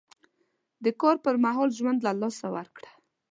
د کار پر مهال ژوند له لاسه ورکړ.